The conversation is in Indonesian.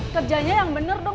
kerjanya yang bener dong